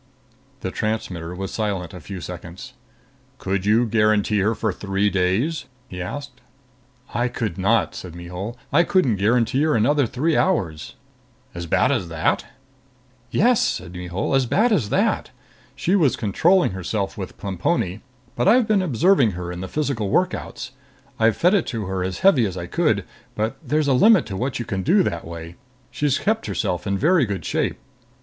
The transmitter was silent a few seconds. "Could you guarantee her for three days?" he asked. "I could not," said Mihul. "I couldn't guarantee her another three hours." "As bad as that?" "Yes," said Mihul. "As bad as that. She was controlling herself with Plemponi. But I've been observing her in the physical workouts. I've fed it to her as heavy as I could, but there's a limit to what you can do that way. She's kept herself in very good shape."